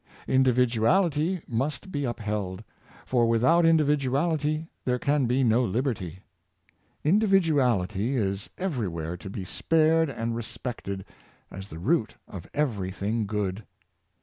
Individuality must be upheld; for without individuality there can be no liberty. Individuality is everywhere to be spared and respected, as the root of every thing good.